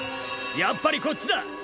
やっぱりこっちだ！